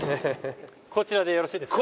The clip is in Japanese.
こちらでよろしいですか？